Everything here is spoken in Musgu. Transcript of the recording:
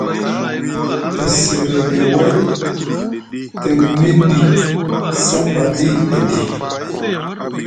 Te siriɗi way, te miɗi sapaɗi edi.